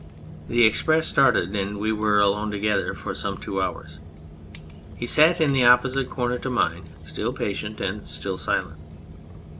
The express started and we were alone together for some two hours. He sat in the opposite corner to mine, still patient and still silent.